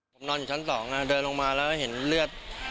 ผมนอนอยู่ชั้น๒เดินลงมาแล้วเห็นเลือด